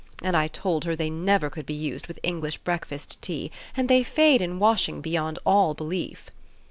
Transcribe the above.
And I told her they never could be used with English breakfast tea, and they fade in washing beyond all belief."